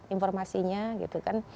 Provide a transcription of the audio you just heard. informasinya gitu kan